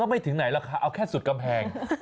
ไม่ถึงไหนราคาเอาแค่สุดกำแพง